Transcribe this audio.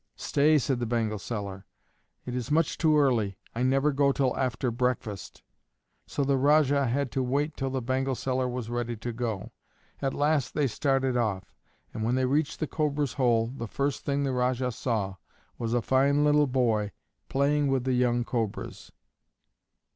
"Stay," said the bangle seller; "it is much too early. I never go till after breakfast." So the Rajah had to wait till the bangle seller was ready to go. At last they started off, and when they reached the Cobra's hole the first thing the Rajah saw was a fine little boy playing with the young Cobras.